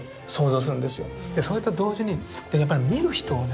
でそれと同時にやっぱり見る人をね